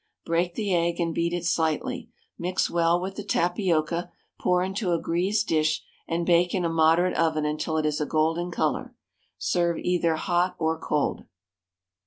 Break the egg and beat it slightly; mix well with the tapioca; pour into a greased dish, and bake in a moderate oven until it is a golden colour. Serve either hot or cold.